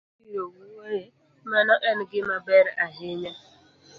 mag chenro ma ibiro wuoye, mano en gimaber ahinya